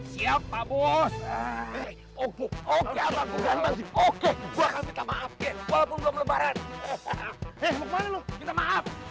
siapa bos oke oke oke oke maaf ya walaupun belum lebaran eh mau kemana lu minta maaf